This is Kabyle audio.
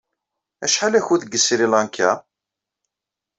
Acḥal akud deg Sri Lanka?